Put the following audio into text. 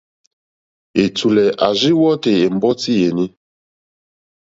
Ɛ̀tùlɛ̀ à rzí wɔ́tè ɛ̀mbɔ́tí yèní.